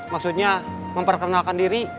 maksudnya memperkenalkan diri